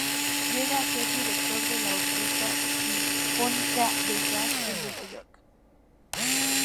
Llega a ser director de la Orquesta Sinfónica de "Jazz" de Nueva York.